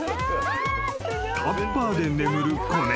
［タッパーで眠る子猫］